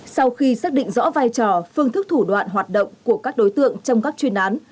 sau khi xác định rõ vai trò phương thức thủ đoạn hoạt động của các đối tượng trong các chuyên án